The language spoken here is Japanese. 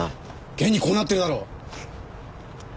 現にこうなってるだろ！